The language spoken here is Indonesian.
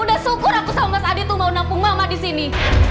udah syukur aku sama mas adit mau nampung mama disini